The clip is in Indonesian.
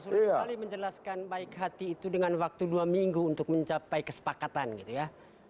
sulit sekali menjelaskan baik hati itu dengan waktu dua minggu untuk mencapai kesepakatan gitu ya